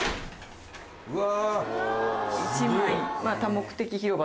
うわ。